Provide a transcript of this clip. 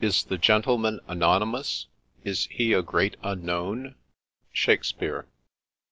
the gentleman anonymous ? Is he a great unknown ?'* ^HAKXSPSAaB.